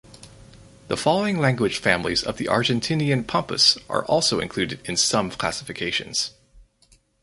The following language families of the Argentinian Pampas are also included in some classifications.